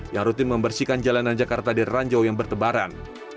yang rutin membersihkan jalanan jakarta di ranjau yang bertebaran